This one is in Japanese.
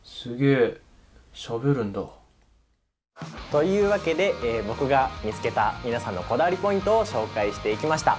というわけで僕が見つけた皆さんのこだわりポイントを紹介していきました。